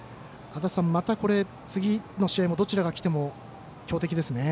またこれ、次の試合もどちらがきても強敵ですね。